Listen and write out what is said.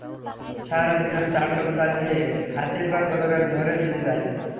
সারা রাত গ্রামে তাণ্ডব চালিয়ে হাতির পাল গতকাল ভোরে ফিরে যায়।